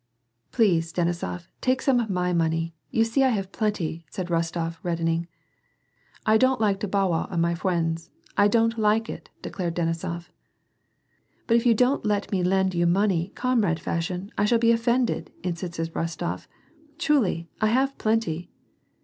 " Please, Denisof, take some of my money ; you see I have plenty," said Rostof, reddening. "I don't like to bo'wow of my fw'iends, I don't like it," de clared Denisof. " But if you don't let me lend you money, comrade fashion, I shall be offended !" insisted Rostof. " Truly, I have plenty."